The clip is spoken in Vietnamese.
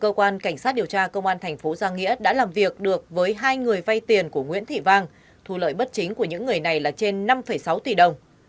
cơ quan cảnh sát điều tra công an thành phố giang nghĩa đã làm việc được với hai người vay tiền của nguyễn thị vang thu lợi bất chính của những người này là trên năm sáu tỷ đồng